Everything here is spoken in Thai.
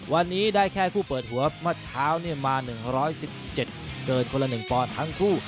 วันนี้ได้แค่คู่เปิดหัวเมื่อเช้ามา๑๑๗เกินคนละ๑ปอนด์ทั้งคู่